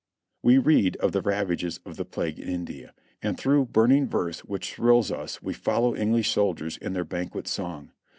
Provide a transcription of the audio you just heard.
We read of the ravages of the plague in India, and through burning verse which thrills us we follow English soldiers in their banquet song.